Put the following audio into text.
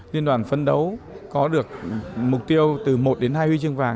liên đoàn phân đấu có được mục tiêu từ một đến hai huy chương vàng